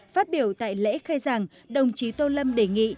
phát biểu tại lễ khai giảng đồng chí tô lâm đề nghị